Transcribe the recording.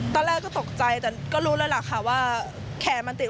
ตอนแรกก็ตกใจแต่ก็รู้แล้วล่ะค่ะว่าแขนมันติด